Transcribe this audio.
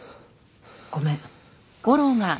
ごめん。